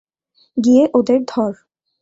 গিয়ে ওদের ধর!